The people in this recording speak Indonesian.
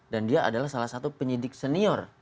dan dia adalah salah satu penyidik senior